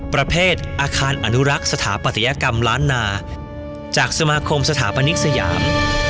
ประเภทอาคารอนุรักษ์สถาปัตยกรรมล้านนาจากสมาคมสถาปนิกสยาม